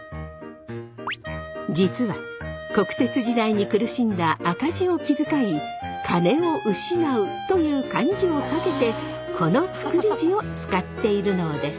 実は国鉄時代に苦しんだ赤字を気遣い金を失うという漢字を避けてこの作り字を使っているのです。